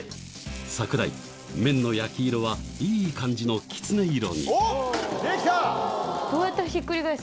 櫻井麺の焼き色はいい感じのきつね色におっできた！